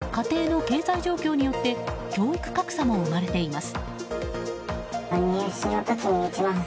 そんな中家庭の経済状況によって教育格差も生まれています。